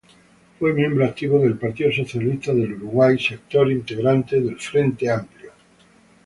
Fue miembro activo del Partido Socialista del Uruguay, sector integrante del Frente Amplio.